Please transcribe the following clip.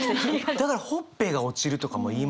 だから「ほっぺが落ちる」とかも言いますもんね。